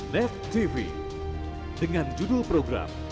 net tv dengan judul program